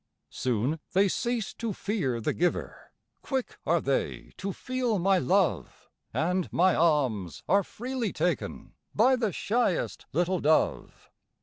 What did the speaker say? Soon they cease to fear the giver, Quick are they to feel my love, And my alms are freely taken By the shyest little dove.